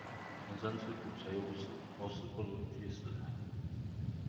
人生自古誰無死，我死不如你去死